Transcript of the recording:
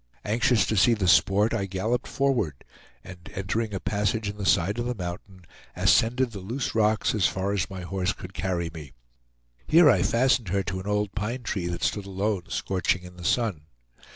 Anxious to see the sport, I galloped forward, and entering a passage in the side of the mountain, ascended the loose rocks as far as my horse could carry me. Here I fastened her to an old pine tree that stood alone, scorching in the sun.